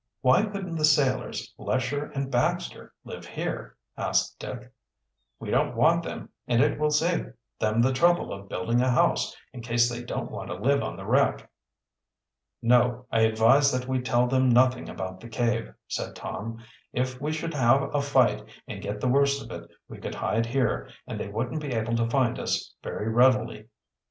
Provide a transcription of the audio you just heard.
"Why couldn't the sailors, Lesher, and Baxter live here?" asked Dick. "We don't want them, and it will save them the trouble of building a house, in case they don't want to live on the wreck." "No, I advise that we tell them nothing about the cave," said Tom. "If we should have a fight and get the worst of it, we could hide here and they wouldn't be able to find us very readily."